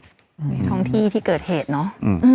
ในท้องที่ที่เกิดเหตุเนอะ